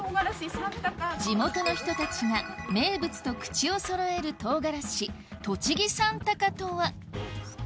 地元の人たちが名物と口をそろえるとうがらし栃木三鷹とは？